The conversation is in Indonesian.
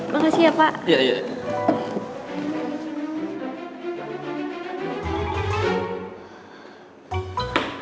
makasih ya pak